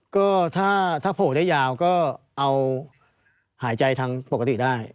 ก็ถ้าโผล่ได้ยาวก็เอาหายใจทางปกติได้